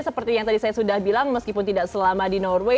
seperti yang tadi saya sudah bilang meskipun tidak selama di norway